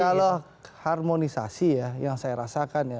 kalau harmonisasi ya yang saya rasakan ya